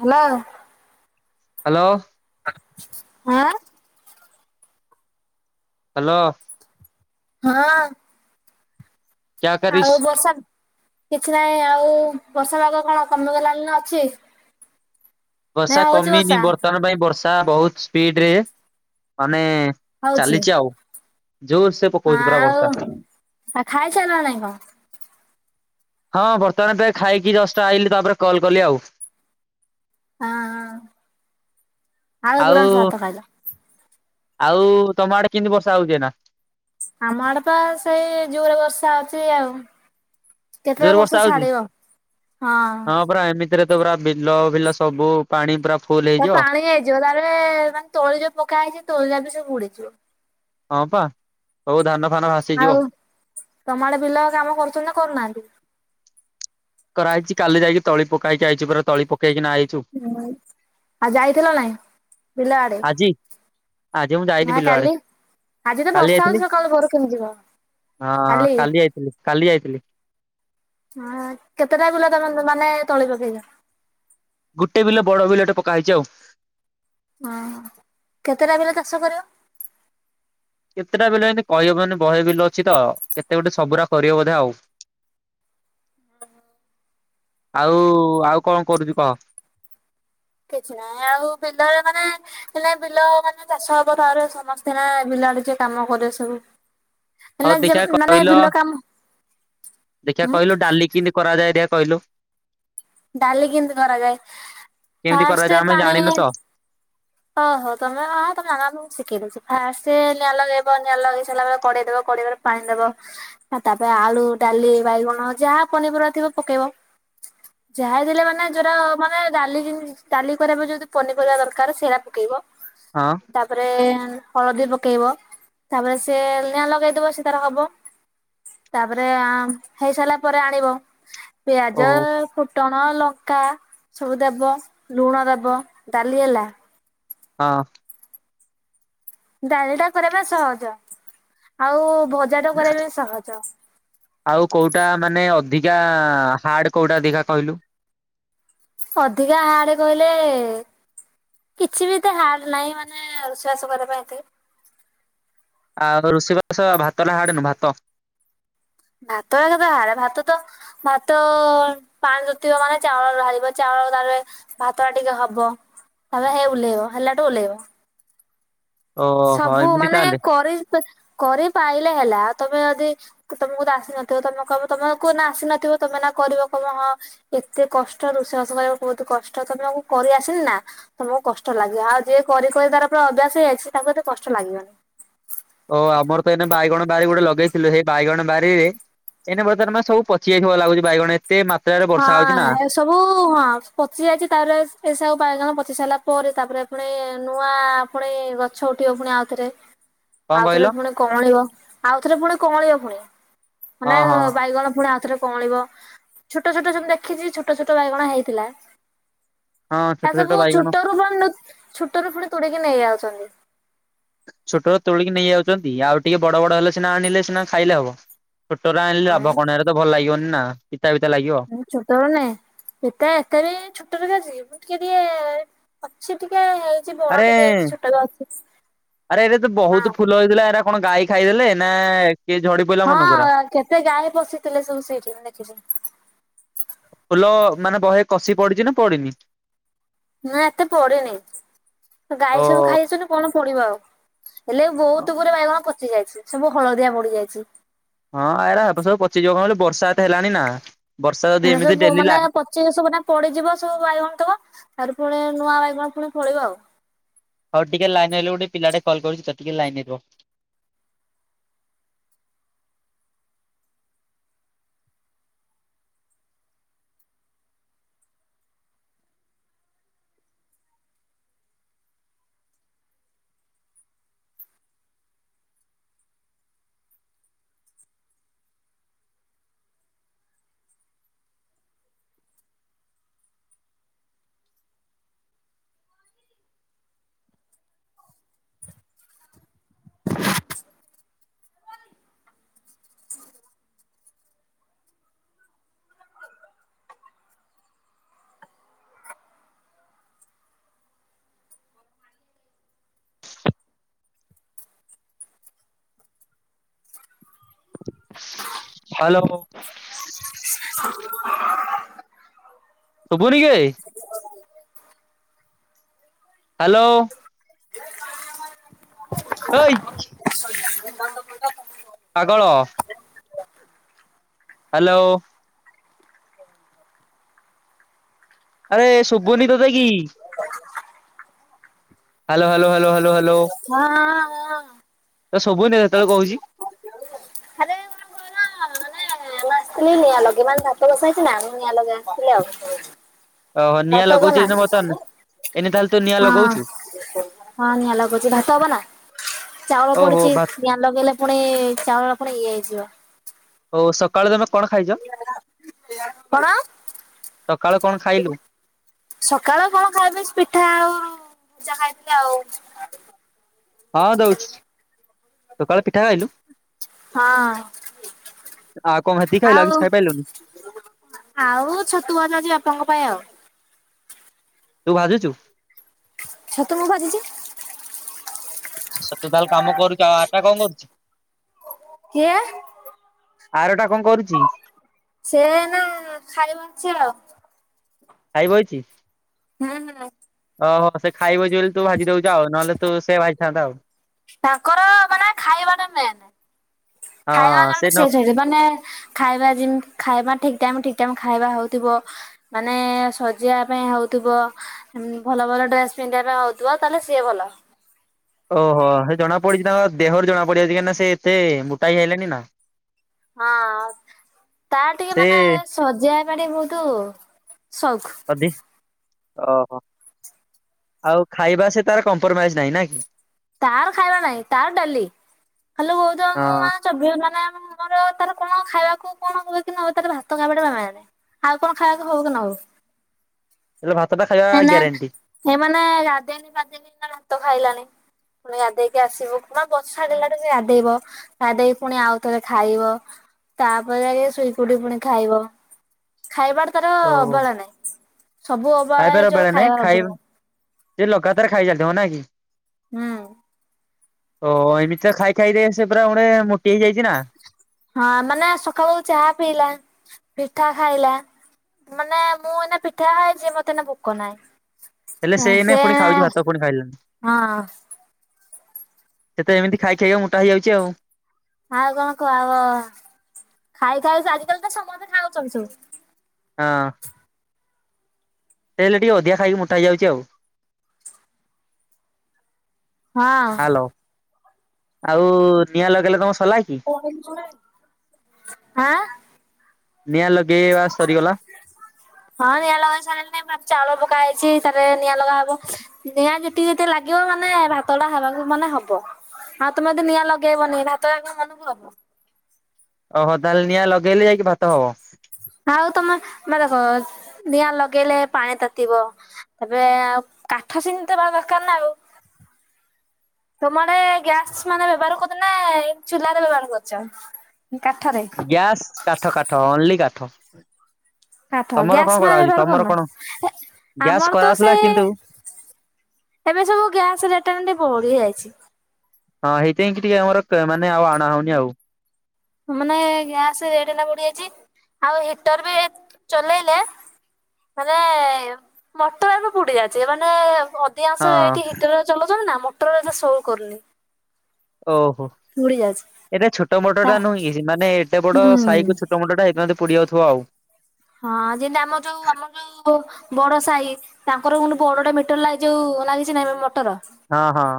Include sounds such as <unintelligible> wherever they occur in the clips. ହାଲେ। Hello. ଆଁ। Hello ହଁ। କ୍ୟା ଆଉ କରିସ୍? ବର୍ଷା କିଛି ନାହିଁ ଆଉ ବର୍ଷା ପାଗ କଣ କମିଗଲାଣି ନା ଅଛି? ନାଇଁ ବର୍ଷା ହଉଛି କମିନି ବର୍ଷା ବର୍ତ୍ତମାନ ପାଇଁ ବର୍ଷା ବହୁତ୍ ସ୍ପିଡ୍ ରେ ମାନେ ହଉଛି। ଚାଲିଛି ଆଉ ଯୋର୍ ସେ ପକଉଛି ପୁରା ବର୍ଷା। ଆଉ ଖାଇସାରିଲ ନାଇଁ କଣ? ହଁ ବର୍ତ୍ତମାନ ପାଇଁ ଖାଇକି ଜଷ୍ଟ୍ ଆଇିଲି ତାପରେ କଲ୍ କଲି ଆଉ। ଆଉ <unintelligible> ଆଉ ତମ ଆଡେ କେମିତି ବର୍ଷା ହଉଛି ଏଇନା? ଆମ ଆଡେ ତ ସେଇ ଜୁରେ ବର୍ଷା ଅଛି ଆଉ। ଜୋରେ କେତେବେଳେ ବର୍ଷା ହଉଛି? ଛାଡିବ? ହଁ। ରେ ତ ପୁରା ବିଲ ବିଲ ସବୁ। ପାଣି ପୁରା ଫୁଲ୍। ପାଣି ହେଇଯିବ ତାରେ ମାନେ ତଳି ଯୋଉ ପକା ହେଇଛି ତଳିଟା ବି ସବୁ ଉୁଡିଯିବ। ହଁ ପା ସବୁ ଧାନ ଫାନ ଭା ଆଉ ତମଆଡେ ବିଲ କାମ କରୁଛନ୍ତି ନା କରୁନାହାନ୍ତି? କରାହେଇଛି କାଲି ଯାଇକି ତଳି ପକାଇକି ଆଇଛୁ ପରା ତଳି ପକେଇ କିନା ଆଇଛୁ। ହୁଁ ଆଉ ଯାଇଥିଲ ନାାଇଁ ବିଲ ଆଡେ। ଆଜି ଆଜି ଯ ମୁଁ ଯାଇନି ହଁ ବିଲ ଆଡେ। କାଲି ଆଜି ତ କାଲି ବର୍ଷା ହଉଛି ଯାଇଥିଲି ସକାଳୁ ଭୋରୁ କେମିତି କଣ ହଁ କାଲି ଯାଇଥିଲି କାଲି ଯାଇଥିଲି। ହଁ କେତେଟା ବିଲ ତମେ ମାନେ ତଳି ପକେଇଲ? ଗୋଟେ ବିଲ ବଡ ବିଲଟେ ପକା ହେଇଛି ଆଉ। ଓ କେତେଟା ବିଲ ଚାଷ କରିବ? କେତେଟା ବିଲ ଏମିତି କହିହବନି ବହେ ବିଲ ଅଛି ତ କେତେ ଗୋଟେ ସବୁରା କରିିବ ବଧେ ଆଉ। ହ ହ ଆଉ ଆଉ କଣ କରୁଚୁ କହ। କିଛି ନାହିଁ ଆଉ ପିଲାଳେ ମାନେ- - ହେଲେ ବିଲ ମାନେ ଚାଷ ହବ ତାହରେ ସମସ୍ତେ ହେ ବିଲ ଆଡେ ଯ କାମ କରିବେ ସବୁ ହଉ ମାନେ ଦେଖିଆ ମାନେ କହିଲ ବିଲ କାମ ଦେଖିଆ ଉଁ କହିଲୁ ଡାଲି କେମିତି କରାଯାଏ ଦେଖିଆ କହିଲୁ। ଡାଲି କେମିତି କରାଯାଏ। କେମିତି କରାଯାଏ ପାଷ୍ଟ ଆମେ ପାଣି ଜାଣିନୁ ତ ଓ ହୋ ତମେ ହଁ ତମେ ଆଙ୍ଗ ଶିଖେଇ ଦଉ ଫା ନିଆଁ ଲଗେଇବ ନିଆଁ ଲଗେଇ ସାରିଲା ବଳେ କେଇଦବେଇ ପାଣି ଦବ ଆଉ ତାପରେ ଆଳୁ, ଡାଲି, ବାଇଗଣ ଯାହା ପନିପର ଥିବ ପକେଇବ। ଯାହାଥିଲେ ମାନେ ଯୋଟ ମାନେ ଡାଲି ଡାଲି କରିବା ପାଇଁ ଯୋଦି ପନିପରିବା ଦରକାର ସେଇ ଆ ପକେଇବ। ହଁ ତାପରେ ହଳଦୀ ପକେଇବ ତାପରେ ସେ ନିଆଁ ଲଗେଇଦବ ସେ ତାର ହବ। ତାପରେ ହେଇ ସାରିଲା ପରେ ଆଣିବ। ପିଆଜ ଓହୋ ଟଣ ଲଙ୍କା ସବୁ ଦେବ, ଲୁଣ ଦେବ, ଡାଲି ହେଲା। ହଁ ଡାଲି ଟା କରବା ପାଇଁ ସହଜ ଆଉ ଭଜା ଟା କରିବା ପାଇଁ ସହଜ। ଆଉ କୋଉଟା ମାନେ ଅଧିକା ହାର୍ଡ କୋଉଟା ଅଧିକା କହିଲୁ। ଅଧିକା ହାଡ କହିଲେ। କିଛି ବି ଏତେ ହାର୍ଡ ନାହିଁ ମାନେ ସ ରୋଷେଇ ବାସ କରିବା ପାଇଁ ଏତେ। ଆଉ ରୁଷେଇ ବାସ ଭାତ ନା ହାଡନୁ ଭାତ। ଭାତ କଥା ଭ ଭାତ ତର- - ଭାତ ପାଣି ତାତିବ ମାନେ ଚାଉଳ ଢାଳିବ ଚାଉଳ ଢାଳଲେ - - ଭାତ ଟା ଟିକେ ହବ। ତା ହେ ଓହ୍ଲେଇବ ହେଲାଠୁ ଓହ୍ଲେଇବ। ଓହୋ ସବୁ ଏମିତି ମାନେ ତାହେଲେ କରି କରି ପାଇଲେ ହେଲା ଆଉ ତମେ ଯଦି ତମକୁ ତ ଆସି ନଥିବ ତମେ କ ତମକୁ ନା ଆସି ନଥିବ ତମେ ନା କରିବ କହିବ ହଁ ଏତେ କଷ୍ଟ ରୋଷେଇ ବାସ କରିବାକୁ ବହୁତ କଷ୍ଟ, ତମେ ଆମକୁ କରିଆସିନି ନା? ତମକୁ କଷ୍ଟ ଲାଗିବ ଆଉ ଯିଏ କରି କରି ତାର ପରେ ଅଭ୍ୟାସ ହେଇଯାଇଛି, ତାକୁ ଏତ କଷ୍ଟ ଲାଗିବନି। ଓ ଆମର ତ ଏଇନା ବାଇଗଣ ବାରି ଗୋଟେ ଲଗେଇଥିଲୁ ସେଇ ବାଇଗଣ ବାରିରେ ଏନ ବର୍ତ୍ତମାନ ସବୁ ପଚି ଯାଇଥିବ ଲାଗୁଚି ବାଇଗଣ। ତେ ମାତ୍ର ହଁ ଏସବୁ ହଁ ପଚି ଯାଇଛି ତାପରେ ଏସବୁବାଇଗଣ ପଚି ସାରିଲା ପରେ ତାପରେ ପୁଣି ନୂଆ ପୁଣି ଗଛ ଉଠିବ ପୁଣି ଆଉଥରେ। କଣ ଆଉଥରେ କହିଲ ପୁଣି କଅଁଳିବ ଆଉଥରେ ପୁଣି କଅଁଳିବ ପୁଣି। ହଁ ମାନେ ହଁ ବାଇଗଣ ପୁଣି ଆଉଥରେ କଅଁଳିବ। ଛୋଟ ଛୋଟ ସେମିତ ଦେଖିଛି ଛୋଟ ଛୋଟ ବାଇଗଣ ହେଇଥିଲା। ହଁ ଛୋଟ ତା ଛୋଟ ସବୁ ବାଇଗଣ ଛୋଟରୁ ପ ଛୋଟରୁୁ ପୁଣି ତୋଡିକି ନେଇ ଯାଉଚନ୍ତି। ଛୋଟ ତୋଳିକି ନେଇଯାଉଚନ୍ତି, ଆଉ ଟିକେ ବଡ ବଡ ହେଲେ ସିନା ଆଣିଲେ ସିନା ଖାଇଲେ ହବ। ଛୋଟର ଆଣିଲେ ଲାଭ ହଁ କଣ ସେରା ତ ଭଲ ଲାଗିବନି ନା ପିତା ପିତା ଲାଗିବ। ଛୋଟ ରୁ ନେ ଏଟା ଏତେ ବି ଛୋଟ ଦେଖା ଯାଏ ମାନେ ଟିକେ ଟିକେ ଅଛି ଟିକେ ବଡ ଆରେ ଟିକେ ହେଇଛି ଛୋଟ ବି ଅଛି। ଆରେ ଏଇଟା ତ ବହୁତ ହଁ ଫୁଲ ହେଇଥିଲା। ଏରା କଣ ଗାଈ ଖାଇଗଲେ ନା କିଏ ଝଡି ପଇଲା ମନକୁ ଏରା। ହଁ କେତେ ଗାଈ ପସିଥିଲେ ସବୁ ସେଇଠି ଆମେ ଦେଖିଚୁ। ଫୁଲ ମାନେ ବହେ କଷି ପଡିଛି ନା ପଡିିନି? ନା ଏତେ ପଡିନି, ଓ ଗାଈ ସବୁ ଖାଇଦେଇଛନ୍ତି ପୁଣି ପଡିବ ଆଉ। ହେଲେ ବହୁତ ଗୁରେ ବାଇଗଣ ପଚି ଯାଇଛି, ସବୁ ହଳଦିଆ ପଡି ଯାଇଛି। ହଁ ଏରା ଏବେ ସବୁ ପଚିଯିବ କଣ କହିଲୁ ବର୍ଷା ଏତେ ହେଲାଣି ନା, ବର୍ଷା ଯଦି ଏମିତି ଡେଲି ଲା ପଚକି ସବୁ ଏଇନା ପଡିଯିବ ସବୁ ବାଇଗଣ ତକ, ତାପରେ ପୁଣି ନୂଆ ବାଇଗଣ ପୁଣି ଫଳିବ ଆଉ। ହଉ ଟିକେ ଲାଇନରେ ରହିଲୁ, ଗୋଟେ ପିଲାଟେ କଲ କରୁଛି ତ ଟିକେ ଲାଇନରେ ରୁହ। ହ୍ୟାଲୋ। ଶୁଭୁନି କିରେ? ହ୍ୟାଲୋ। ହେଇକି <inaudible> ପାଗଳ ହ୍ୟାଲୋ। ଆରେ ଶୁଭୁନି ତତେ କି? ହ୍ୟାଲୋ ହ୍ୟାଲୋ ହ୍ୟାଲୋ ହ୍ୟାଲୋ ହଁ- ହଁ। ତତେ ଶୁଭୁନି, ସେତେବେଳୁ କହୁଛି। ଖାଲି ନିଆଁ ଲଗେଇବି, ମାନେ ଭାତ ବସାହେଇଛି ନା ନିଆଁ ଲଗାଇବି ଆସିଥିଲି ଆଉ। ଓହୋ ନିଆଁ ଭାତ <unintelligible> ଲଗଉଚୁ ହଁ- ଏଇନେ ବର୍ତ୍ତମାନ ଏଇନେ ତାହେଲେ ତୁ ନିଆଁ ଲଗଉଛୁ ହଁ ନିଆଁ ଲଗଉଛି ଭାତ ହବ ନା। ଚାଉଳ ଓହୋ ପଡିଛି, ଭା ନିଆଁ ଲଗେଇଲେ ପୁଣି ଚାଉଳ ପୁଣି ଇଏ ହେଇଯିବ। ହଉ ସକାଳୁ ତମେ କଣ ଖାଇଛ? କଣ? ସକାଳୁ କଣ ଖାଇଲୁ? ସକାଳେ କଣ ଖାଇବି, ପିଠା ଆଉ ଚାହା ହେଇଥିଲା ଆଉ। ହଁ ଦଉଛି, ସକାଳେ ପିଠା ଖାଇଲୁ। ହଁ ଆଉ କଣ ହେତିକି ଖାଇଲୁ, ଆଉ କିଛି ଖାଇ ପାଇଲୁନି। ଆଉ ଛତୁ ଭଜା ଅଛି ବାପାଙ୍କ ପାଇଁ ଆଉ। ତୁ ଭାଜୁଛୁ। ଛତୁ ମୁଁ ଭାଜିଛି। ସେ ତ ତାର କାମ କରିକି, ଆଉ ଆରଟା କଣ କରୁଛି? କିଏ? ଆରଟା କଣ କରୁଚି? ସେ ଏଇନା ଖାଇ ବସିଚି ଆଉ। ଖାଇ ବଇଛି। ହୁଁ- ହୁଁ। ଓ ହୋ ସେ ଖାଇ ବଇଛି ବୋଲି ତୁ ଭାଜି ଦଉଛୁ ଆଉ, ନହେଲେ ତୁ ସେ ଭାଜି ଥାଆନ୍ତା ଆଉ। ତାଙ୍କର ମାନେ ଖାଇବା ଟା ମେନ୍, ଖାଇବା ହଁ ଯୋଉଠି ନ ସେ ସେଇଠି ମାନେ ଖାଇବା ଯେମିତି ଖାଇବା ଠିକ୍ ଟାଇମ ଠିକ୍ ଟାଇମ ଖାଇବା ହଉଥିବ ମାନେ ସଜେଇଆ ପାଇଁ ହଉଥିବ ଭଲ ଭଲ ଡ୍ରେସ ପିନ୍ଧିଆ ପାଇଁ ହଉଥିବ, ତାହେଲେ ସିଏ ଭଲ। ଓ ହୋ ସେ ଜଣା ପଡିଛି ତାଙ୍କ ଦେହରୁ ଜଣା ପଡିଯାଉଛି, କାହିଁକିନା ସେ ଏତେ ମୋଟା ହେଇ ଆଇଲେଣି ନା। ହଁ ତାର ଟିକେ ସେ ମାନେ ସଜେଇ ହବା ଟିକେ ବହୁତ ସଉକ। <unintelligible> ଓ ହୋ। ଆଉ ଖାଇବା ସେ ତାର କମ୍ପ୍ରୋମାଇଜ ନାହିଁ ନାଇଁ କି? ତାର ଖାଇବା ନାହିଁ ତାର ଡାଲି, ଖାଲି ହଉଥିବ ହଁ ମୋ ମାଆ ସବୁବେଳେ ମାନେ ମୋର ତାର କଣ ଖାଇବାକୁ କଣ ହୁଏ କି ନ ହୁଏ ତାର ଭାତ ଖାଇବାଟା <inaudible> ନାହିଁ। ଆଉ କଣ ଖାଇବାକୁ ହଉ କି ନ ହଉ। ହେଲେ ଭାତଟା ଖାଇବା ଗ୍ୟାରେଣ୍ଟି। ସେ ମାନେେ ରାଧେଇନି ପାଧେଇନି ଏଇନା ଭାତ ଖାଇଲାଣି। ପୁଣି ଗାଧେଇକି ଆସିବ ପୁରା ବର୍ଷା <unintelligible> ଗାଧେଇବ। ଗାଧେଇକି ପୁଣି ଆଉ ଥରେ ଖାଇବ, ତାପରେ ଯାଇକି ଶୋଇକି ଉଠି ପୁଣି ଖାଇବ। ଖାଇବାରେ ତାର-ଅ-ଅ-ଅ ଅବହେଳା ନାହିଁ ସବୁ ଅବ୍ ଖାଇବା ପିଇବାରେ ଅବହେଳା ନାଇଁ, ଖାଇ ସେ ଲଗାତାର ଖାଇ ଚାଲିଥିବ ନାଇଁ କି? ହୁଁ। ଓ-ଓ-ଓ ଏମିତିଆ ଖାଇ ଖାଇ ସେ ପୁରା ମାନେ ମୋଟି ହେଇଯାଇଛି ନା। ହଁ ମାନେ ସକାଳୁ ଚାହା ପିଇଲା, ପିଠା ଖାଇଲା। ମାନେ ମୁଁ ଏଇନା ପିଠା ଖାଇଛି ମତେ ଏଇନା ଭୋକ ନାହିଁ। ହେଲେ ସେ ଏଇନେ ପୁଣି ଖାଉଛି ଭାତ ପୁଣି ଖାଇଲାଣି। ସେ ତ ଏମିତି ଖାଇ ଖାଇକା ମୋଟା ହେଇଯାଉଛି ଆଉ। ଆଉ କଣ କହ <inaudible> ଖାଇ-ଖାଇ ଆଜିକାଲି ତ ସମସ୍ତେ ଖାଉଛନ୍ତି ସୁ ହଁ। ସେ ହେଲେ ଟିକେ ଅଧିକା ଖାଇକି ମୋଟା ହେଇ ଯାଉଛି ଆଉ‌ ହଁ ହ୍ୟାଲୋ, ଆଉ-ଉ-ଉ ନିଆଁ ଲଗେଇଲେ ତମ ସଲା କି? ଆଁ? ନିଆଁ ଲଗେଇବା ସରିଗଲା। ହଁ ନିଆଁ ଲଗା ସରିଗଲାଣି <unintelligible> ଚାଉଳ ପକା ହେଇଛି ତାପରେ ନିଆଁ ଲଗା ହବ। ନିଆଁ ଯେତିକି ଯେତିକି ଲାଗିବ ମାନେ ଭାତଟା ହେବାକୁ ମାନେ ହବ। ହଁ ତମେ ଯଦି ନିଆଁ ଲଗେଇବନି ଭାତ ଆଉ କଣ ମନକୁ ହବ। ଓହୋଃ ତାହେଲେ ନିଆଁ ଲଗେଇଲେ ଯାଇକି ଭାତ ହବ? ଆଉ ତମେ ମ ଦେଖ ନିଆଁ ଲଗେଇଲେ ପାଣି ତାତିିବ। ତାପରେ-ଏ-ଏ ଆଉ କାଠ ସେମିତି ଥିବା ଦରକାର ନା ଆଉ। ତମ ଆଡେ-ଏ-ଏ ଗ୍ୟାସ୍ ମାନେ ବ୍ୟବହାର କରୁଛନ୍ତି ନା ଏମ୍ ଚୁଲାରେ ବ୍ୟବହାର କରୁଚ? କାଠରେ? ଗ୍ୟାସ୍, କାଠ-କାଠ ଓନଲି କାଠ। କାଠ ତମର ଗ୍ୟାସ କଣ ମାନେ କରା ହଉଛି ବ୍ୟବହାର କରୁନ? ତମର କଣ? ଆମର ଗ୍ୟାସ ତ କରା ହଉଥିଲା ସେଇ କିନ୍ତୁ ଏବେ ସବୁ ଗ୍ୟାସ ରେଟ୍ ଟା କେମିତି ବଢି ଯାଇଛି। ହଁ ହେଇଥି ପାଇଁ କି ଟିକେ ଆମର ମାନେ ଆଉ ଅଣା ହଉନି ଆଉ। ମାନେ ଗ୍ୟାସ ରେଟ୍ ଏଇନା ବଢି ଯାଇଚି, ଆଉ ହିଟର ବି ଚଲେଇଲେ ମାନେ-ଏ-ଏ ମଟର ଗୁଡାକ ପୋଡି ଯାଉଚି ମାନେ ଅ ଧିକାଂଶ ଏଠି ହଁ ହିଟର ଚଲଉଚନ୍ତି ନା ମଟର ଏଠି ସୋ କରୁନି। ଓହୋଃ ବୁଡି ଯାଉଛି ଏଟା ଛୋଟ ତା ମଟରଟା ନୁହେଁ କି ମାନେ ଏତେବଡ ହୁଁ ସାହି କୁ ଛୋଟ୍ ଛୋଟ ମଟରଟା ହେଇଥି ପାଇଁ ବୋଧେ ପୋଡିଯାଉଥିବ ଆଉ। ହଁ ଯେମିତି ଆମର ଯଉ ଆମର ଯଉ <inaudible> ବଡ ସାହି ତାଙ୍କର ପୁଣି ବଡଟା ମିଟର ଲାଗିଛି ଯୋଉ-ଉ ଲାଗିଛି ନା ଏବେ ମଟର। ହଁ ହଁ।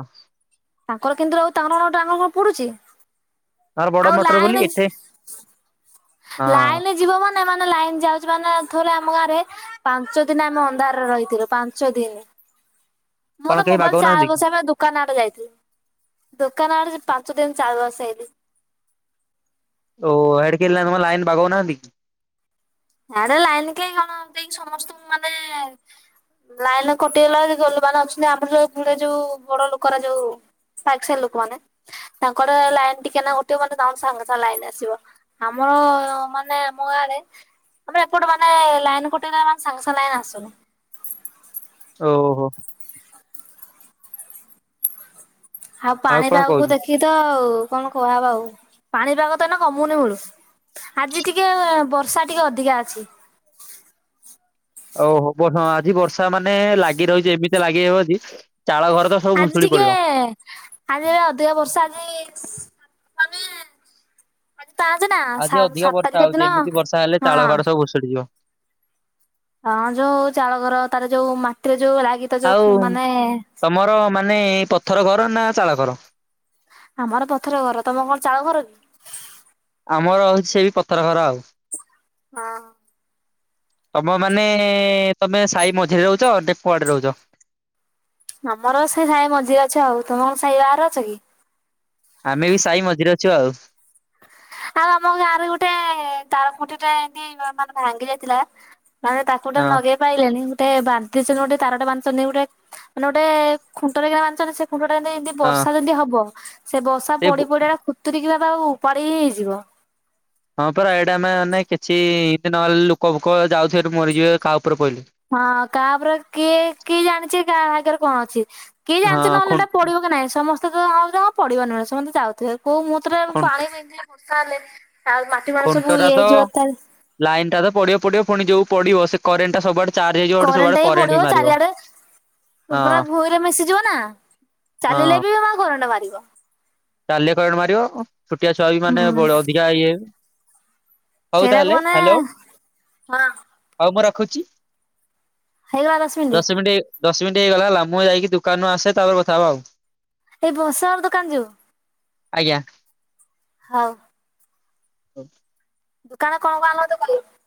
ତାଙ୍କର କେମିତି ରଉ ତାଙ୍କର କଣ ତାଙ୍କର କଣ ପୋଡୁଚି? ତାଙ୍କର ବଡ ମଟର ବୋଲି ଏତେ ଲାଇନ ଯିବ ମାନେ ମାନେ ଲାଇନ ଯାଉଚି ମାନେ ଥରେ ଆମ ଗାଆଁରେ ପାଞ୍ଚ ଦିନ ଆମେ ଅନ୍ଧାରରେ ରହିଥିଲୁ ପାଞ୍ଚ ଦିନି। ହ <inaudible> ମୁଁ ତ ମୋବାଇଲ ଚାର୍ଜ ବସେଇବା ପାଇଁ ଦୁ କାନ ଆଡେ ଯାଇଥିଲି ଦୁକାନ ଆଡେ ପାଞ୍ଚ ଦିନିଚାର୍ଜ ବସେଇଲି। ଓ ହୋ ହିଆଡେ କିଏ ଲାଇନ ବାଗଉନାହାନ୍ତି କି? ହିଆଡେ ଲାଇନ କେହି କଣ ଦେଇ ସମସ୍ତଙ୍କୁ ମାନେ ଲାଇନ କଟିଗଲା ଗଲ ମାନେ ଅଛନ୍ତି ଆମର ଯୋଉ ଯୋଉ ବଡ ଲୋକଉରା ଯୋଉ ସାକ ସାହି ଲୋକ ମାନେ ତାଙ୍କର ଲାଇନ ଟିକେ ନାକୁ କଟିବମାନେ ସାଙ୍ଗେ ସାଙ୍ଗେ ଲାଇନ ଆସିବ। ଆମର ମାନେ ଆମ ଗାଁ ଆଡେ ଆମେ ଏପଟୁ ମାନେ ଲାଇନ କଟିଗଲେମାନେ ସାଙ୍ଗେ ସାଙ୍ଗେ ଲାଇନ୍ ଆସୁନି। ଓହୋ। ଆଉ କଣ ପାଣିପାଗକୁ କହୁଛୁ? ଦେଖିକି ତ ଆଉ କଣ କୁହା ହବ ଆଉ ପାଣିପାଗ ତ ଏଇନା କମୁନି ମୁଳୁ ଆଜି ଟିକେ ବର୍ଷା ଟିକେ ଅଧିକା ଅଛି। ଓହୋ ହଁ ଆଜି ବର୍ଷା ମାନେ ଲାଗି ରହିଚି ଏମିତି ଲାଗିରହିବଜଦି ଚାଳ ଘର ତ ସବୁ ଆଜି ଭୁଶୁଡି ଟିକେ ପଡିବ। ଆଜି ଏ ଅଧିକ ବର୍ଷା ଆଜି ସି ମାନେ ଆଜି ପାଞ୍ଚେ ନା ଆଜି ସା ସାତ ତାରିଖ ଦିନ ହଁ। ବସିଡିଯିବ <inaudible> ହଁ ଯୋଉ ଚାଳ ଘର ତାର ଯୋଉ ମାଟିରେ ଯୋଉ ଲାଗି ଆଉ ତମର ମାନେ ପଥର ଘର ନା ଚାଳ ଘର? ଆମର ପଥର ଘର ତମର କଣ ଚାଳ ଘର କି? ଆମର ହଉଚି ସେ ବି ପଥର ଘର ଆଉ। ହଁ। ତମ ମାନେ ତମେ ସାହି ମଝିରେ ରହୁଚ ନା କୁଆଡେ ରହୁଚ? ଆମର ସେଇ ସାହି ମଝିରେ ଅଛି ଆଉ ତମେ କଣ ସାହି ବାହାରେ ଅଛ କି? ଆମେ ବି ସାଇ ମଝିରେ ଅଛୁ ଆଉ। ଆଉ ଆମ ଗାଁରେ ଗୁଟେ ତାର କଠୀ ଟେ ଏମତି ମାନେ ଭାଙ୍ଗି ଯାଇଥିଲା। ମାନେ ତାକୁ ତ ହଁ ନଗେଇ ପାଇଲେଣି ଗୁଟେ ବାନ୍ଧିଛନ୍ତି ଗୁଟେ ତାରଟେ ବାନ୍ଧିଛନ୍ତି ଗୁଟେ ମାନେ ଗୁଟେ ଖୁଣ୍ଟରେ କିନା ବାନ୍ଧିଛନ୍ତି ସେ ଖୁଣ୍ଟ ଟା ମାନେ ଏମିତି ହଁ ବର୍ଷା ଯଦି ହବ ସେ ବର୍ଷା ପଡି ପଡିକା ଏକା କୁତୁରିକି ବା ଆଉ ଉପାଡି ହିଁ ହେଇଯିବ। ହଁ ପା ଏଇଟା ଆମେ ମାନେ କିଛି ଏମତି ନହେଲେ ଲୋକ ଫୋକ ଯାଉଥିବ ଏଠି ମରିଯିବେ କାହା ଉପରେ ପଡିଲେ। ହଁ କାପରେ କିଏ କିଏ ଜାଣିଛି କାହା ଆଗରେ କଣ ଅଛି। କେହି ହଁ ଜାଣିନ୍ତି ନହେଲେ ଖୁ ଏଟା ପଢିବ କି ନହିଁ ସମସ୍ତେ ତ ଆଁ ପଢିବ ନୁଁ ସମସ୍ତେ ଯାଉଥିବେ। ହଉ ମୁଁ ତରେ ଖୁ ପାଣି ବିକିବି ତାହେଲେ ତାରେ ମା ଖୁଣ୍ଟ ଟା ତ ଲାଇନ ଟା ତ ପଡିବ ପଡିବ ପୁଣି ଯୋଉ ପଡିବ ସେ କରେଣ୍ଟ ଟା ସବୁଆଡେ ଚାର୍ଜ ହେଇଯିବ ଗୋଟେ କରେଣ୍ଟ ସବୁଆଡେ ଟା ବି ପଡିବ ମାରିବ ଚାରିଆଡେ। ହଁ ପୁରା ଭୂଇଁରେ ମିଶିଯିବ ନା ହଁ ଚାଲିଲେ ବି ମା କରେଣ୍ଟ ମାରିବ। ନାଲିଆ କରେଣ୍ଟ ମାରିବ ଛୋଟିଆ ଛୁଆ ବି ମାନେ ହୁଁ ଅଧିକା ଇଏ ହଉ ସେଇରାକୁ ତାହେଲେ ମାନେ ହାଲୋ। ହଁ ହଉ ମୁଁ ରଖୁଚି ହେଇଗଲା ମିନିଟ୍। ଦଶ ମିଣ୍ଟି ହେ ଦଶ ମିନିଟ ହେଇଗଲା ହେଲା ମୁଁ ଯାଇକି ଦୋକାନରୁ ଆସେ ତାପରେ କଥା ହବା ଆଉ। ଏଇ ବର୍ଷାର ଦୋକାନ ଯିବୁ। ଆଜ୍ଞା। ହଉ। ହ <inaudible> ଦୋକାନ କଣ କଣ ଆଣିଲ ମତେ କହିବ।